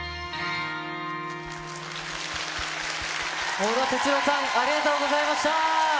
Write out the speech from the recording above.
織田哲郎さん、ありがとうございました。